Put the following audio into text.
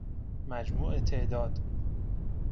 مجموع تعداد